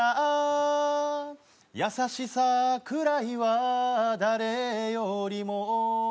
「優しさくらいは誰よりも」